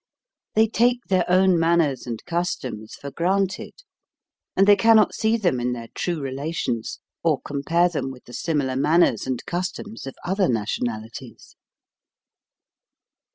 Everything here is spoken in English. They take their own manners and customs for granted, and they cannot see them in their true relations or compare them with the similar manners and customs of other nationalities.